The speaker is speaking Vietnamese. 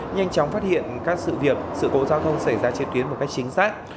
nhanh chóng phát hiện các sự việc sự cố giao thông xảy ra trên tuyến một cách chính xác